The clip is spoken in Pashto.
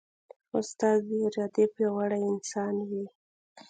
استاد د ارادې پیاوړی انسان وي.